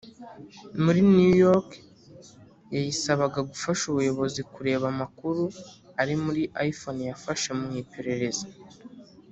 muri New York yayisabaga gufasha ubuyobozi kureba amakuru ari muri iPhone yafashe mu iperereza